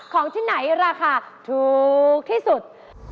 ของที่ไหนราคาถูกที่สุด